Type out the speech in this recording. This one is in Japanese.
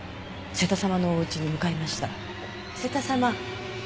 瀬田様？